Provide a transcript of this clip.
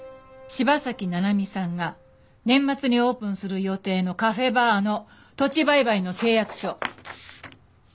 柴崎奈々美さんが年末にオープンする予定のカフェバーの土地売買の契約書。